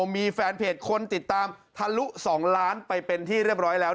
มีแฟนเพจคนติดตามทะลุ๒ล้านไปเป็นที่เรียบร้อยแล้ว